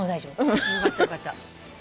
よかったよかった。